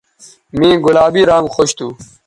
مے گلابی رانگ خوش تھو